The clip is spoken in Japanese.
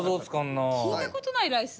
聞いた事ないライス。